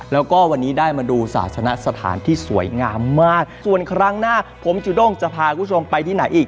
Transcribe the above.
แล้วก็วันนี้ได้มาดูศาสนสถานที่สวยงามมากส่วนครั้งหน้าผมจุด้งจะพาคุณผู้ชมไปที่ไหนอีก